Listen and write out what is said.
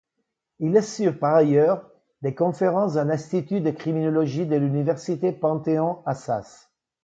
Il assure par ailleurs des conférences à l'Institut de criminologie de l'université Panthéon-Assas.